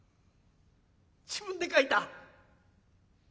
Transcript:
自分で書いた。